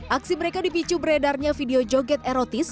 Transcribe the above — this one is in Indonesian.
aksi mereka dipicu beredarnya video joget erotis